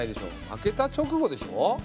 負けた直後でしょ？